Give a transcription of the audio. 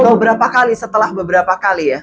beberapa kali setelah beberapa kali ya